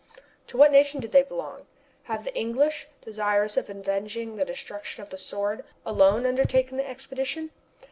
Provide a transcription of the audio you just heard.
To what nation do they belong? Have the English, desirous of avenging the destruction of the Sword, alone undertaken the expedition?